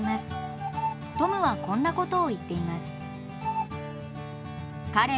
トムはこんなことを言っています。